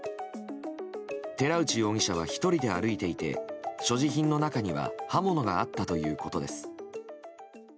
寺内容疑者は１人で歩いていて所持品の中には刃物があったということです。